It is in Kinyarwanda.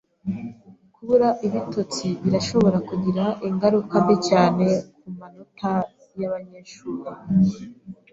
Kubura ibitotsi birashobora kugira ingaruka mbi cyane kumanota yabanyeshuri.